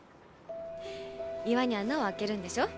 岩に穴を開けるんでしょ？